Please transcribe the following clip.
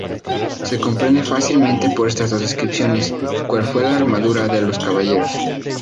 Se comprende fácilmente por estas dos descripciones, cuál fue la armadura de los caballeros.